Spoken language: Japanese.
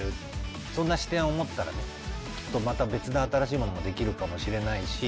そんな視点を持ったらねきっとまた別な新しいものもできるかもしれないし。